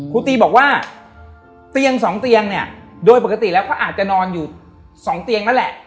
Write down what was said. ครูตีบอกว่าเตียงสองเตียงเนี่ยโดยปกติแล้วก็อาจจะนอนอยู่๒เตียงนั่นแหละ